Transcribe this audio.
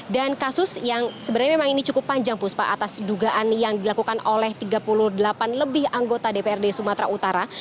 dan kasus yang sebenarnya memang ini cukup panjang puspa atas dugaan yang dilakukan oleh tiga puluh delapan lebih anggota dprd sumatera utara